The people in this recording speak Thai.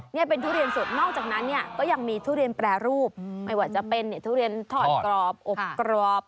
นี่เป็นทุเรียนสดนอกจากนั้นเนี่ยก็ยังมีทุเรียนแปรรูปไม่ว่าจะเป็นทุเรียนทอดกรอบอบกรอบ